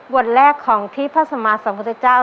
แรกของที่พระสมาสัมพุทธเจ้า